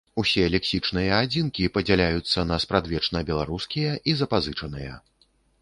Усе лексічныя адзінкі падзяляюцца на спрадвечна беларускія і запазычаныя.